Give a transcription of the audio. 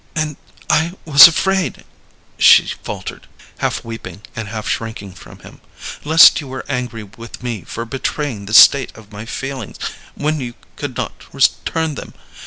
"And I was afraid," she faltered, half weeping and half shrinking from him, "lest you were angry with me for betraying the state of my feelings, when you could not return them."